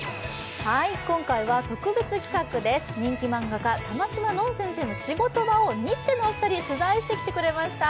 今回は特別企画です、人気漫画家、玉島ノン先生の仕事場をニッチェのお二人が取材してきてくださいました。